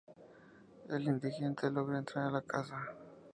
El indigente logra entrar en la casa.